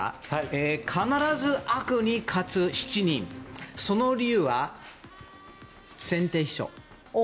必ず悪に勝つ七人その理由は、先手秘書。